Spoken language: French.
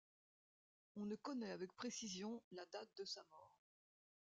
On ne connaît avec précision la date de sa mort.